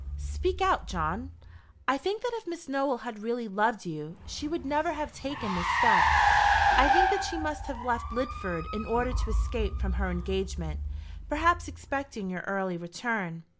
"Speak out, John." "I think that if Miss Nowell had really loved you, she would never have taken this step. I think that she must have left Lidford in order to escape from her engagement, perhaps expecting your early return.